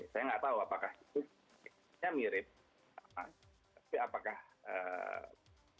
saya tidak tahu apakah itu mirip tapi apakah eee